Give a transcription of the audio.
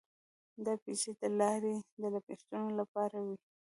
دا پیسې د لارې د لګښتونو لپاره وې.